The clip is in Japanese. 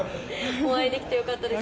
お会いできてよかったです。